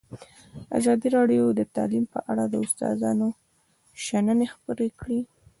ازادي راډیو د تعلیم په اړه د استادانو شننې خپرې کړي.